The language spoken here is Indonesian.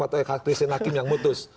atau eka krisrin hakim yang mutus